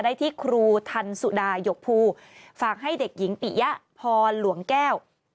ได้ที่ครูทันสุดาหยกภูฝากให้เด็กหญิงปิยะพรหลวงแก้ว